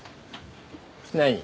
何？